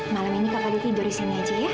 malam ini kak fadil tidur di sini aja ya